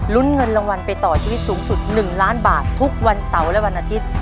เงินรางวัลไปต่อชีวิตสูงสุด๑ล้านบาททุกวันเสาร์และวันอาทิตย์